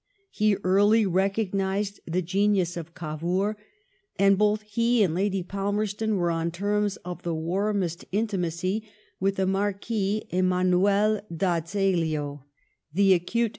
He early recognised the genius of Gavour; and both he and Lady Palmerston were on terms of the warmest inti macy with the Marquis Emanuel d'Azeglio, the astute LOEJD PALMEB8T0N AND ITALY.